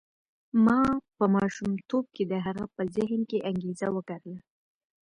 ما په ماشومتوب کې د هغه په ذهن کې انګېزه وکرله.